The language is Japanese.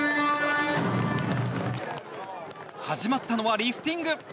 始まったのはリフティング。